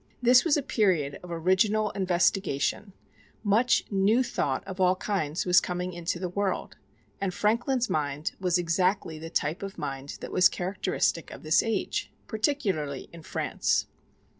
This was a period of original investigation: much "new thought" of all kinds was coming into the world, and Franklin's mind was exactly the type of mind that was characteristic of this age particularly in France.